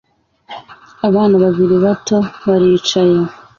Abana babiri bato baricaye